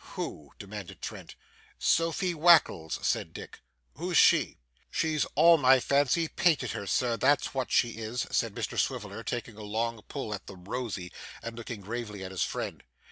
Who?' demanded Trent. 'Sophy Wackles,' said Dick. 'Who's she?' 'She's all my fancy painted her, sir, that's what she is,' said Mr Swiveller, taking a long pull at 'the rosy' and looking gravely at his friend.